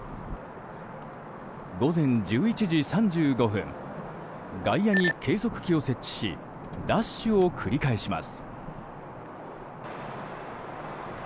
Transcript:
午前１１時３５分外野に計測器を設置しダッシュを繰り返します。